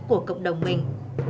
của cộng đồng mình